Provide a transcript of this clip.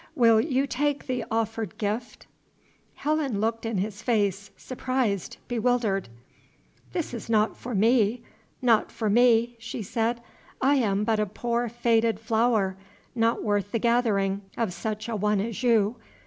Will you take the offered gift?" Helen looked in his face, surprised, bewildered. "This is not for me, not for me," she said. "I am but a poor faded flower, not worth the gathering, of such a one as you.